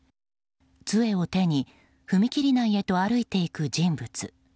つえを手に踏切内へと歩いていく人物。